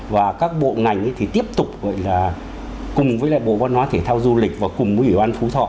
và các bộ ngành thì tiếp tục gọi là cùng với lại bộ văn hóa thể thao du lịch và cùng với ủy ban phú thọ